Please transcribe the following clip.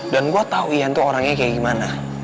dan gue tau ian tuh orangnya kayak gimana